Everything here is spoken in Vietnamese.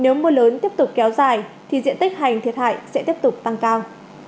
nếu mưa lớn tiếp tục kéo dài thì diện tích hành thiệt hại sẽ tiếp tục tăng cao